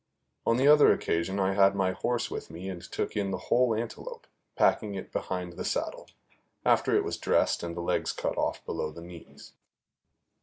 On the other occasion I had my horse with me and took in the whole antelope, packing it behind the saddle, after it was dressed and the legs cut off below the knees.